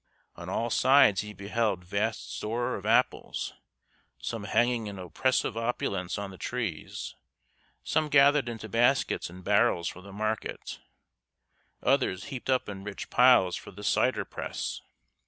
On all sides he beheld vast store of apples some hanging in oppressive opulence on the trees, some gathered into baskets and barrels for the market, others heaped up in rich piles for the cider press.